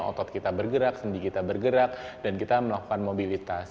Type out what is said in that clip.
otot kita bergerak sendi kita bergerak dan kita melakukan mobilitas